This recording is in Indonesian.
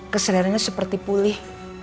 kesederiannya seperti pulih